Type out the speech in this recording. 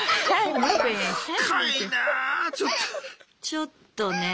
ちょっとねえ。